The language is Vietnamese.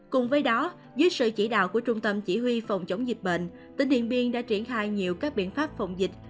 cùng với đó dưới sự chỉ đạo của trung tâm chỉ huy phòng chống dịch bệnh tỉnh điện biên đã triển khai nhiều các biện pháp phòng dịch